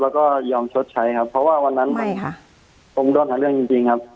แล้วก็ยอมชดใช้ครับเพราะว่าวันนั้นผมโดนหาเรื่องจริงจริงครับ